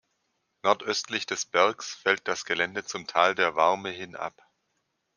Nordöstlich des Bergs fällt das Gelände zum Tal der Warme hin ab.